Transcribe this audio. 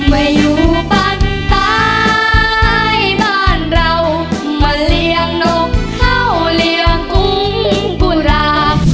มาอยู่บ้านตายบ้านเรามาเลี้ยงนกเข้าเลี้ยงกุ้งกุรา